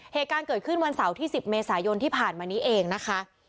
เหตุการณ์เกิดขึ้นวันเสาร์ที่๑๐เมษายนที่ผ่านมานี้เองนะคะ